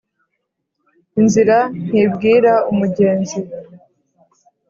inzira ntibwira umugenzi